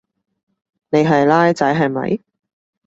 你係孻仔係咪？